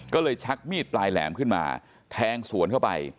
ก็เลยชักมีดปลายแหลมขึ้นมาแทงสวนเข้าไป